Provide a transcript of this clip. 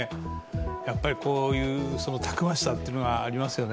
やっぱりこういうたくましさというのはありますよね。